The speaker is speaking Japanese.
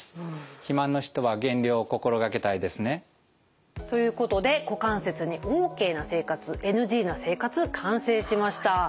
肥満の人は減量を心掛けたいですね。ということで股関節にＯＫな生活ＮＧな生活完成しました。